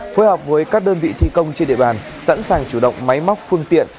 phối hợp với các đơn vị thi công trên địa bàn sẵn sàng chủ động máy móc phương tiện